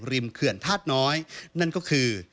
เขื่อนธาตุน้อยนั่นก็คือ